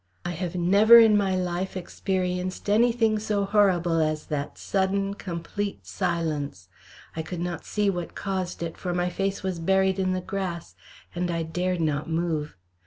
I have never in my life experienced anything so horrible as that sudden, complete silence. I could not see what caused it, for my face was buried in the grass, and I dared not move.